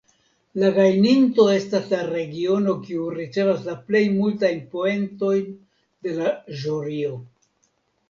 La gajninto estas la regiono kiu ricevas la plej multajn poentojn de la ĵurio.